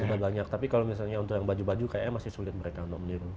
sudah banyak tapi kalau misalnya untuk yang baju baju kayaknya masih sulit mereka untuk meniru